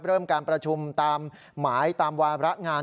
เริ่มการประชุมตามหมายตามวาระงาน